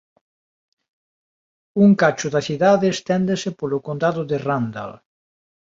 Un cacho da cidade esténdese polo condado de Randall.